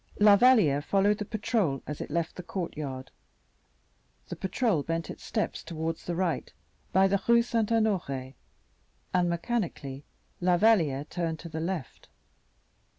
La Valliere followed the patrol as it left the courtyard. The patrol bent its steps towards the right, by the Rue St. Honore, and mechanically La Valliere turned to the left.